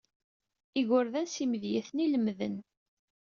Igerdan s imedyaten i lemmden.